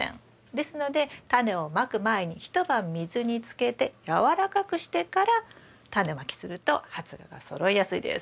ですのでタネをまく前に一晩水につけて軟らかくしてからタネまきすると発芽がそろいやすいです。